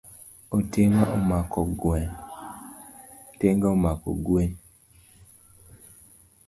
Otenga omako gwen